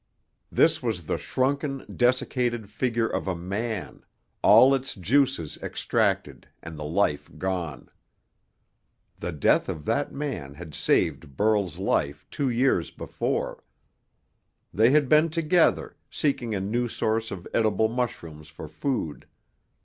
This was the shrunken, desiccated figure of a man, all its juices extracted and the life gone. The death of that man had saved Burl's life two years before. They had been together, seeking a new source of edible mushrooms for food.